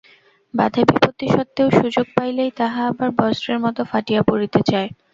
বাধা-বিপত্তি সত্ত্বেও সুযোগ পাইলেই তাহা আবার বজ্রের মত ফাটিয়া পড়িতে চায়।